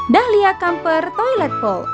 dahlia kamper toilet poll